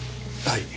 はい。